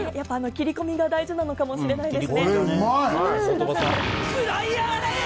切り込みが大事なのかもしれませんね。